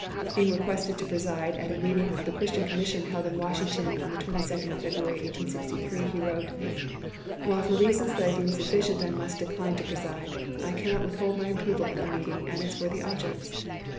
Being requested to preside at a meeting of the Chi'istian Commission held in Washington on the 22d of February, 1863, he wrote: While for reasons that I deem sufl&cient I must decline to preside, I cannot withhold my approval of the meeting and its worthy objects.